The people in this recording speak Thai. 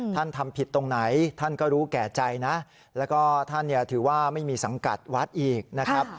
ท่านทำผิดตรงไหนท่านก็รู้แก่ใจนะแล้วก็ท่านเนี่ยถือว่าไม่มีสังกัดวัดอีกนะครับ